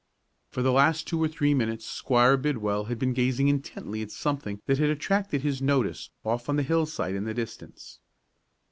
For the last two or three minutes Squire Bidwell had been gazing intently at something that had attracted his notice off on the hillside in the distance.